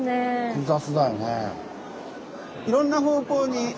複雑だよね。